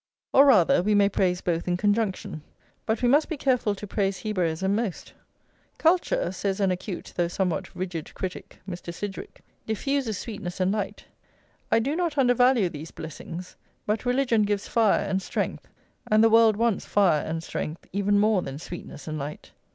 Or, rather, we may praise both in conjunction, but we must be careful to praise Hebraism most. "Culture," says an acute, though somewhat rigid critic, Mr. Sidgwick, "diffuses sweetness and light. I do not undervalue these blessings, but religion gives fire and strength, and the world wants fire and strength even more than sweetness and light."